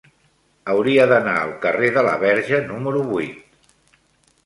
Hauria d'anar al carrer de la Verge número vuit.